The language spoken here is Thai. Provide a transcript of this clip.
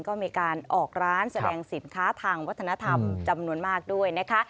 ก็มีการออกร้านแสดงสินค้าทางวัฒนธรรมจำนวนมากด้วยนะคะ